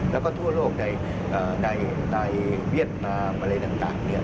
แล้วก็ทั่วโลกในเวียดนามอะไรต่าง